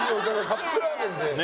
カップラーメンで。